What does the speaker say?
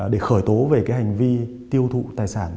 để khởi tố về cái hành vi tiêu thụ tài sản